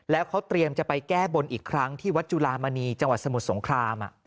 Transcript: แล้วเขาเตรียมจะไปแก้บนอีกครั้งที่วัดจุลามณีจังหวัดสมุทรสงคราม